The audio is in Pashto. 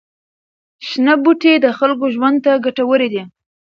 شنه بوټي د خلکو ژوند ته ګټور دي.